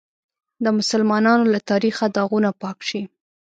د مسلمانانو له تاریخه داغونه پاک شي.